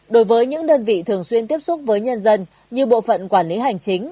đối với những đơn vị thường xuyên tiếp xúc với nhân dân như bộ phận quản lý hành chính